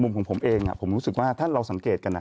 ของผมเองผมรู้สึกว่าถ้าเราสังเกตกัน